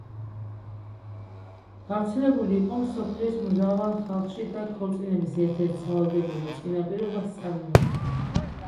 გავრცელებული იყო მსოფლიოს მრავალ ხალხში და ქორწინების ერთ-ერთ სავალდებულო წინაპირობას წარმოადგენდა.